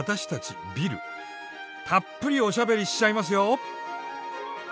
たっぷりおしゃべりしちゃいますよ！